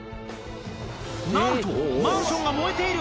なんと、マンションが燃えている。